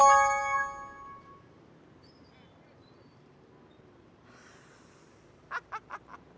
bapak saya ke sini